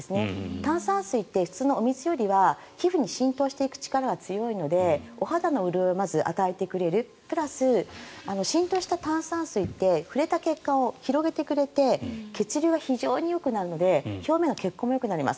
炭酸水って普通のお水よりは皮膚に浸透していく力は強いのでお肌の潤いを与えてくれるプラス、浸透した炭酸水って触れた血管を広げてくれて血流が非常によくなるので表面の血行がよくなります。